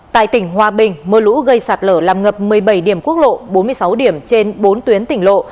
tại tỉnh hòa bình mưa lũ gây sạt lở làm ngập một mươi bảy điểm quốc lộ bốn mươi sáu điểm trên bốn tuyến tỉnh lộ